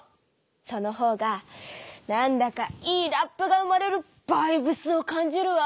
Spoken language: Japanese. そのほうがなんだかいいラップが生まれるバイブスを感じるわ！